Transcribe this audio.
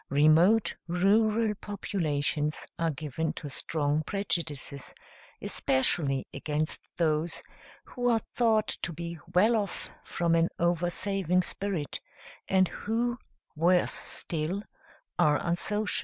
Remote rural populations are given to strong prejudices, especially against those who are thought to be well off from an oversaving spirit; and who, worse still, are unsocial.